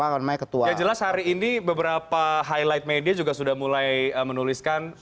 yang jelas hari ini beberapa highlight media juga sudah mulai menuliskan